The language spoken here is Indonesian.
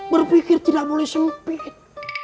berpikir tidak boleh sempit